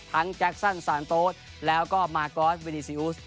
ทั้งแจ็คซันซานโต๊สแล้วก็มาร์กอสวินิเซียุส